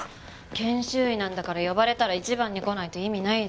研修医なんだから呼ばれたら一番に来ないと意味ないでしょ。